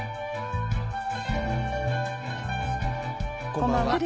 こんばんは。